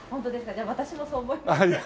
じゃあ私もそう思います。